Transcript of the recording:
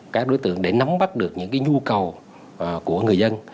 các đối tượng để nắm bắt được những nhu cầu của người dân